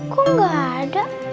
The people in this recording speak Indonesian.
kok gak ada